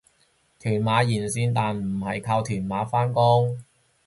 屯馬沿線但唔係靠屯馬返工